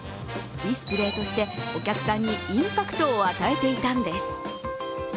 ディスプレーとしてお客さんにインパクトを与えていたんです。